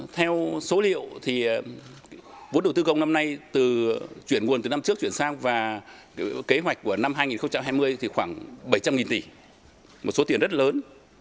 theo số liệu thì vốn đầu tư công năm nay từ chuyển nguồn từ năm trước chuyển sang và kế hoạch của năm hai nghìn hai mươi thì khoảng bảy trăm linh tỷ một số tiền rất lớn